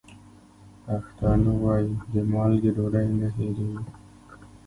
پښتانه وايي: د مالګې ډوډۍ نه هېرېږي.